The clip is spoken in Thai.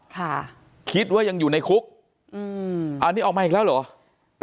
ค่ะคิดว่ายังอยู่ในคุกอืมอันนี้ออกมาอีกแล้วเหรอ